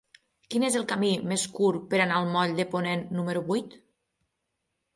Quin és el camí més curt per anar al moll de Ponent número vuit?